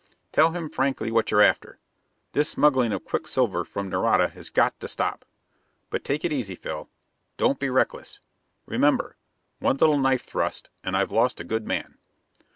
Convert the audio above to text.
"Tell him frankly what you're after. This smuggling of quicksilver from Nareda has got to stop. But take it easy, Phil; don't be reckless. Remember: one little knife thrust and I've lost a good man!"